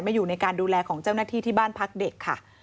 อยู่ในการดูแลของเจ้าหน้าที่ที่บ้านพักเด็กค่ะ